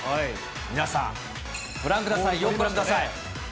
皆さん、ご覧ください、よくご覧ください。